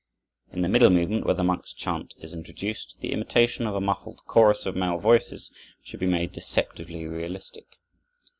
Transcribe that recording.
In the middle movement, where the monks' chant is introduced, the imitation of a muffled chorus of male voices should be made deceptively realistic.